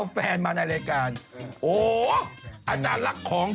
ด่าอะไรด่าฮะด่าอย่าง